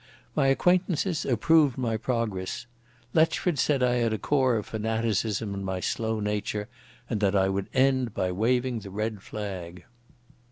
My acquaintances approved my progress. Letchford said I had a core of fanaticism in my slow nature, and that I would end by waving the red flag.